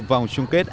vòng chung kết